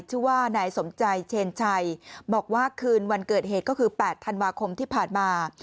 ชื่อว่านายสมใจเชนชัยบอกว่าคืนวันเกิดเหตุก็คือ๘ธันวาคมที่ผ่านมา